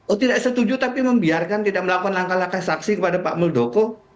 oh tidak setuju tapi membiarkan tidak melakukan langkah langkah saksi kepada pak muldoko